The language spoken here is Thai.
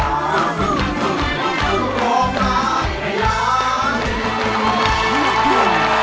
แต่ตอนบัดก็ร้องได้ตกใจเหมือนกันนะ